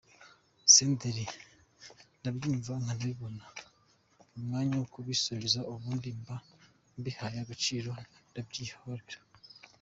Senderi: Ndabyumva nkanabibona, n’umwanya wo kubisubiza ubundi mba mbihaye agaciro ndabyihorera.